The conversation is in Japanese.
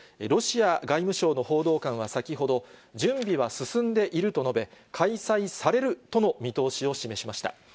ロシア外務省の報道官は先ほど、準備は進んでいると述べ、開催されるとの見通しを示しました。